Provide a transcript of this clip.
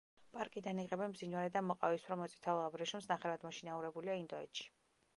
პარკიდან იღებენ ბზინვარე და მოყავისფრო-მოწითალო აბრეშუმს, ნახევრად მოშინაურებულია ინდოეთში.